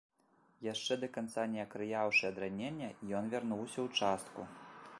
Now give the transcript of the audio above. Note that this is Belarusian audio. Яшчэ да канца не акрыяўшы ад ранення, ён вярнуўся ў частку.